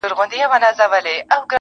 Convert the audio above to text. په کوم مخ به د خالق مخ ته درېږم؟!